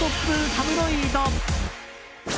タブロイド。